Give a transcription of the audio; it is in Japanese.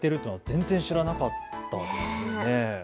全然知らなかったです。